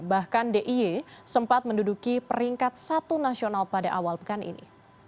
bahkan d i e sempat menduduki peringkat satu nasional pada awal pekan ini